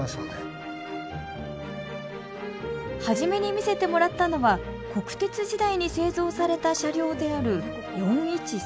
初めに見せてもらったのは国鉄時代に製造された車両である４１３系。